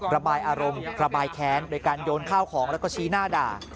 ระบายอารมณ์ระบายแค้นโดยการโยนข้าวของแล้วก็ชี้หน้าด่า